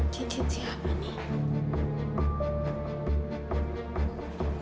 cintin siapa nih